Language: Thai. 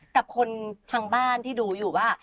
กับคนทางบ้านที่ดูอยู่ว่า